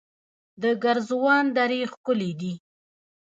د ګرزوان درې ښکلې دي